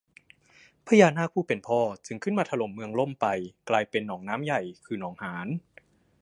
พญานาคผู้เป็นพ่อจึงขึ้นมาถล่มเมืองล่มไป กลายเป็นหนองน้ำใหญ่ คือ หนองหาน